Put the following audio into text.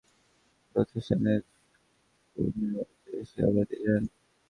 সর্বনিম্ন পাঁচটি কাপড় হলে প্রতিষ্ঠানের কর্মীরা বাসায় এসে কাপড় নিয়ে যান।